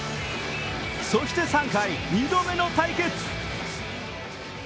そして３回、２度目の対決。